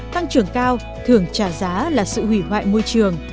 tăng trưởng cao thường trả giá là sự hủy hoại môi trường